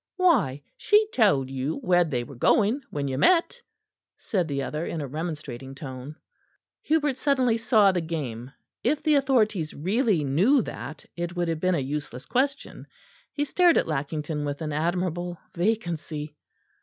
"Why she told you where they were going when you met?" said the other in a remonstrating tone. Hubert suddenly saw the game. If the authorities really knew that, it would have been a useless question. He stared at Lackington with an admirable vacancy.